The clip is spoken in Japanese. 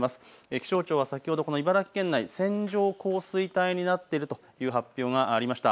気象庁は先ほどこの茨城県内、線状降水帯になっているという発表がありました。